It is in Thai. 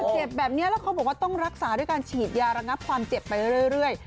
เจ็บแบบนี้แล้วเขาบอกว่าต้องรักษาด้วยการฉีดยาระงับความเจ็บไปเรื่อย